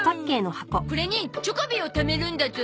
これにチョコビをためるんだゾ。